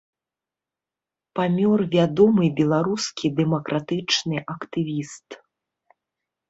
Памёр вядомы беларускі дэмакратычны актывіст.